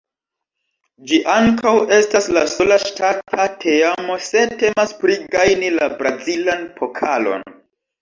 Ĝi ankaŭ estas la sola ŝtata teamo se temas pri gajni la Brazilan Pokalon.